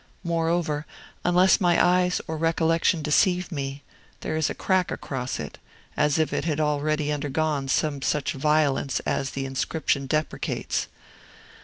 Moreover, unless my eyes or recollection deceive me, there is a crack across it, as if it had already undergone some such violence as the inscription deprecates.